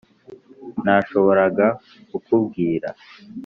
nashoboraga kukubwira